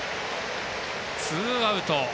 ツーアウト。